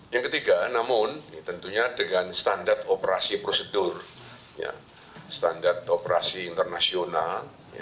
yang ketiga namun tentunya dengan standar operasi prosedur standar operasi internasional